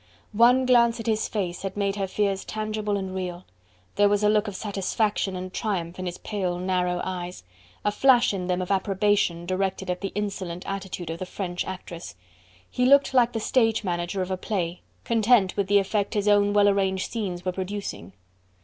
One glance at his face had made her fears tangible and real: there was a look of satisfaction and triumph in his pale, narrow eyes, a flash in them of approbation directed at the insolent attitude of the French actress: he looked like the stage manager of a play, content with the effect his own well arranged scenes were producing.